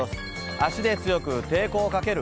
足で強く抵抗をかける。